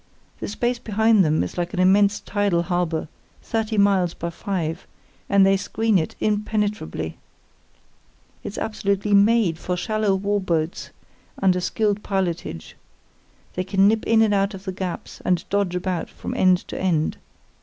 The space behind them is like an immense tidal harbour, thirty miles by five, and they screen it impenetrably. It's absolutely made for shallow war boats under skilled pilotage. They can nip in and out of the gaps, and dodge about from end to end.